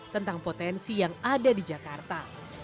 tentang potensi yang ada di jakarta